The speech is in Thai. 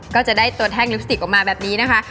ก็จะได้ตัวแท่งลิปสติกออกมาแบบนี้นะคะ